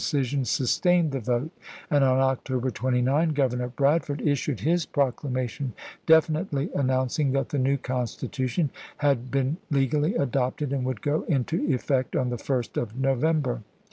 cision sustained the vote ; and, on October 29, Gov ernor Bradford issued his proclamation, definitely announcing that the new constitution had been legally adopted and would go into effect on the 1st of November.